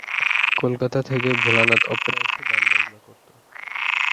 কলকাতা থেকে ভোলানাথ অপেরা এসে গান বাজনা করতো।